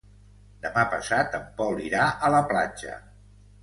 Demà passat en Pol irà a la platja.